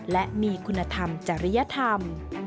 และมีคุณธรรมจริยธรรม